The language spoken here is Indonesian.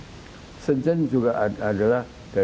hmm sencen juga adalah dari